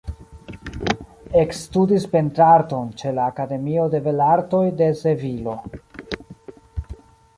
Ekstudis pentrarton ĉe la Akademio de Belartoj de Sevilo.